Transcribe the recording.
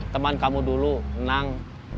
teman kamu dulu nang